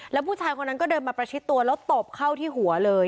แล้วผู้ชายคนนั้นก็เดินมาประชิดตัวแล้วตบเข้าที่หัวเลย